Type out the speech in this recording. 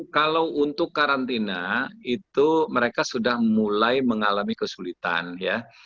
kalau untuk karantina itu mereka sudah mulai mengalami kesulitan ya